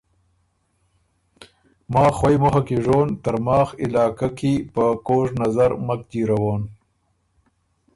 ماخ خوئ مُخه کی ژون، ترماخ علاقه کی په کوژ نظر مک جیرَوون۔